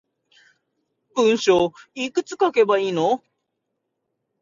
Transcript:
文章いくつ書けばいいの